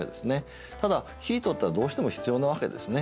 ただ生糸ってのはどうしても必要なわけですね。